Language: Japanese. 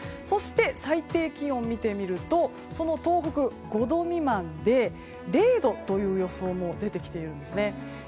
そして、最低気温を見てみるとその東北、５度未満で０度という予想も出てきているんですね。